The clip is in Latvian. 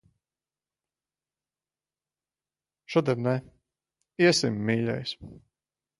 Šodien ne. Iesim, mīļais.